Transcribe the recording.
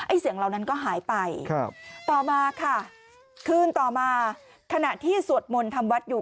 เสียงเหล่านั้นก็หายไปครับต่อมาค่ะคืนต่อมาขณะที่สวดมนต์ทำวัดอยู่